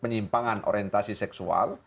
penyimpanan orientasi seksual